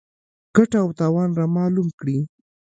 ګټه او تاوان رامعلوم کړي.